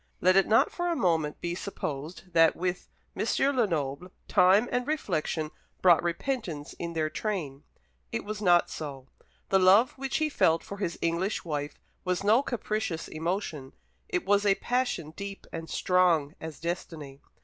Let it not for a moment be supposed that with M. Lenoble time and reflection brought repentance in their train. It was not so. The love which he felt for his English wife was no capricious emotion; it was a passion deep and strong as destiny.